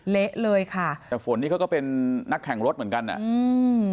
เละเลยค่ะแต่ฝนนี่เขาก็เป็นนักแข่งรถเหมือนกันอ่ะอืม